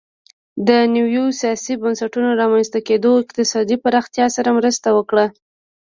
د نویو سیاسي بنسټونو رامنځته کېدو اقتصادي پراختیا سره مرسته وکړه